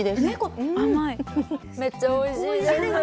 めっちゃおいしいです。